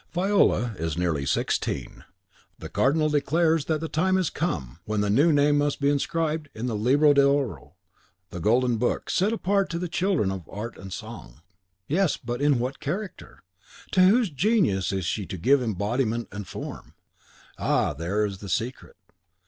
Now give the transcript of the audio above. Viola is nearly sixteen. The Cardinal declares that the time is come when the new name must be inscribed in the Libro d'Oro, the Golden Book set apart to the children of Art and Song. Yes, but in what character? to whose genius is she to give embodiment and form? Ah, there is the secret!